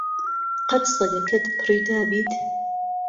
قەت سەگەکەت پڕی داویت؟